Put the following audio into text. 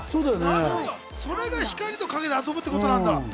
それが光と影で遊ぶってことなんだ！